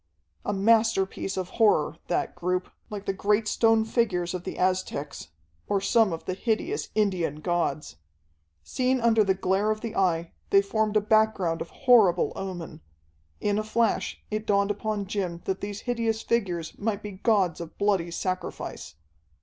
A masterpiece of horror, that group, like the great stone figures of the Aztecs, or some of the hideous Indian gods. Seen under the glare of the Eye, they formed a background of horrible omen. In a flash it dawned upon Jim that these hideous figures might be gods of bloody sacrifice.